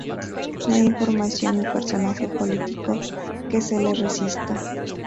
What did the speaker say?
No hay información ni personaje político que se le resista.